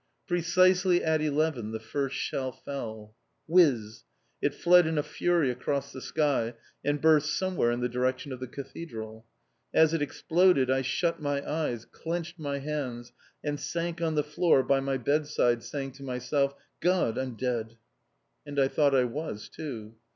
Precisely at eleven the first shell fell. Whiz! It fled in a fury across the sky and burst somewhere in the direction of the Cathedral. As it exploded I shut my eyes, clenched my hands, and sank on the floor by my bedside, saying to myself, "God, I'm dead!" And I thought I was too.